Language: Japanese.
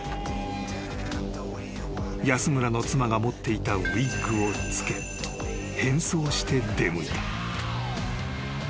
［安村の妻が持っていたウィッグをつけ変装して出向いた］